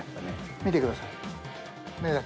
見てください。